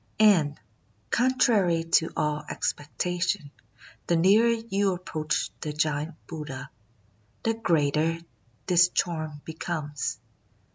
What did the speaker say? And, contrary to all expectation, the nearer you approach the giant Buddha, the greater this charm becomes.